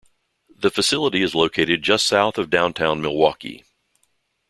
The facility is located just south of downtown Milwaukee.